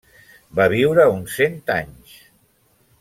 Va viure uns cent anys.